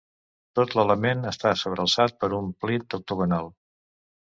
Tot l'element està sobrealçat per un plint octogonal.